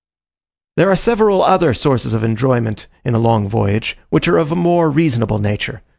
There are several other sources of enjoyment in a long voyage, which are of a more reasonable nature.